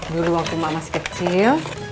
dulu waktu mama kecil